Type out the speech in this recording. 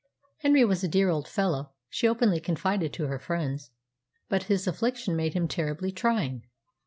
Henry was a dear old fellow, she openly confided to her friends, but his affliction made him terribly trying.